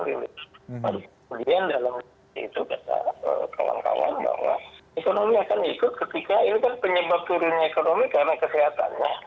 kemudian dalam itu kata kawan kawan bahwa ekonomi akan ikut ketika ini kan penyebab turunnya ekonomi karena kesehatannya